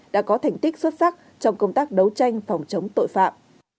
đã có thành tích xuất sắc trong công tác đấu tranh phòng chống tội phạm